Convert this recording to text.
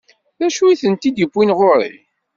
D acu i tent-id-iwwin ɣur-i?